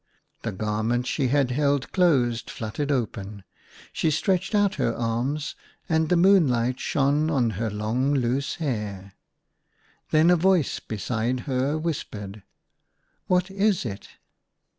The garment she had held closed flut tered open ; she stretched out her arms, and the moonlight shone on her long loose hair. Then a voice beside her whispered, "What is it?"